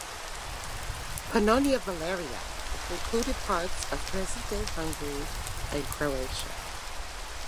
Pannonia Valeria included parts of present-day Hungary and Croatia.